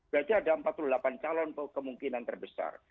berarti ada empat puluh delapan calon kemungkinan terbesar